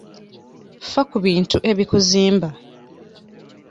Ffa ku bintu ebikuzimba.